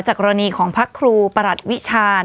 จากรณีของพระครูปรัตวิชาล